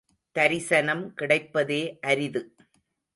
தரிசனம் கிடைப்பதே அரிது.